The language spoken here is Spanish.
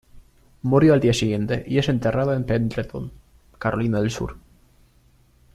Murió al día siguiente y es enterrado en Pendleton, Carolina del Sur.